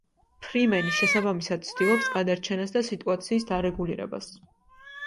ფრიმენი შესაბამისად ცდილობს გადარჩენას და სიტუაციის დარეგულირებას.